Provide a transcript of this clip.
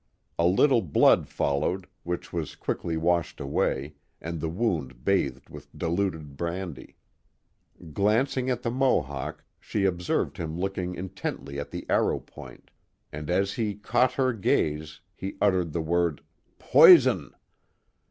A little blood followed, which ivas quickly washed away, and the wound bathed with diluted brandy. Glancing at the Mohawk she ob served him looking intently at the arrow point, and as he caught her gaze he utttred the word " poison